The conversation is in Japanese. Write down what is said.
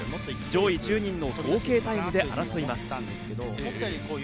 上位１０人の合計タイムで争います。